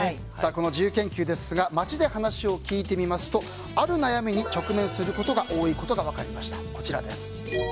この自由研究ですが街で話を聞いてみますとある悩みに直面することが多いことが分かりました。